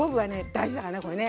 大事だからねこれね。